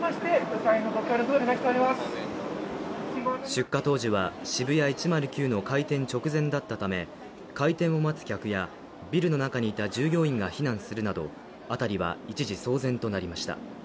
出火当時はＳＨＩＢＵＹＡ１０９の開店直前だったため開店を待つ客やビルの中にいた従業員が避難するなど辺りは一時騒然となりました。